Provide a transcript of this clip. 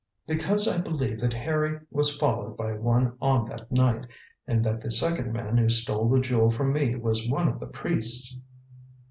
"Because I believe that Harry was followed by one on that night, and that the second man who stole the jewel from me was one of the priests."